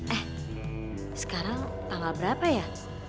eh sekarang tanggal berapa ya